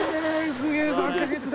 すげえ